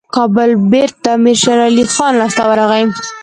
کابل بیرته د امیر شېرعلي خان لاسته ورغی.